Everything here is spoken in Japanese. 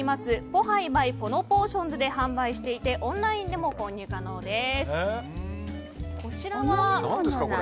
ポハイ・バイ・ポノポーションズで販売していてオンラインでも購入可能です。